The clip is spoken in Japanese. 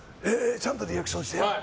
ちゃんとリアクションしてよ。